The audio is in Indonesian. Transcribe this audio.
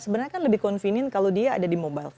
sebenarnya kan lebih convenient kalau dia ada di mobile